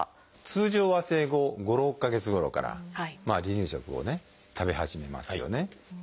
通常は生後５６か月ごろから離乳食を食べ始めますよね。